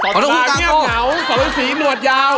สอนตาเหนียบเหนาสอนได้สีหนวดยาว